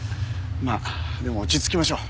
まあでも落ち着きましょう。